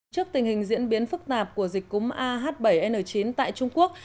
trước tình hình diễn biến phức tạp của dịch cúm ah bảy n chín tại trung quốc